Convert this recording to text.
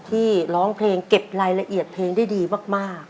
ร้องเพลงเก็บรายละเอียดเพลงได้ดีมาก